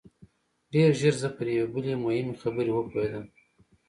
ډېر ژر زه پر یوې بلې مهمې خبرې وپوهېدم